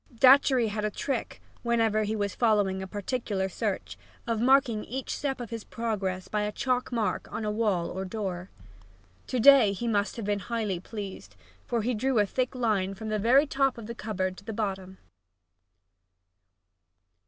Datchery had a trick, whenever he was following a particular search, of marking each step of his progress by a chalk mark on a wall or door. To day he must have been highly pleased, for he drew a thick line from the very top of the cupboard door to the bottom!